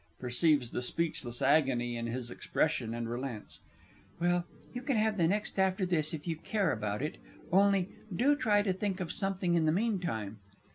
(Perceives the speechless agony in his expression, and relents.) Well, you can have the next after this if you care about it only do try to think of something in the meantime!